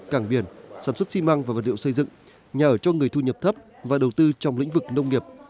cảng biển sản xuất xi măng và vật liệu xây dựng nhà ở cho người thu nhập thấp và đầu tư trong lĩnh vực nông nghiệp